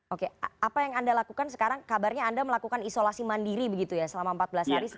oke apa yang anda lakukan sekarang kabarnya anda melakukan isolasi mandiri begitu ya selama empat belas hari